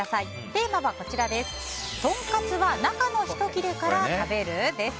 テーマは、とんかつは中の一切れから食べる？です。